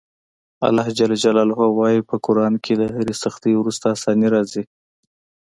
الله ج وایي په قران کې له هرې سختي وروسته اساني راځي.